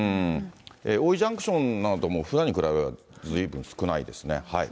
大井ジャンクションなどもふだんに比べればずいぶん少ないですね。